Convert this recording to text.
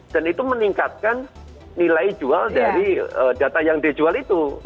dan itu meningkatkan nilai jual dari data yang dijual itu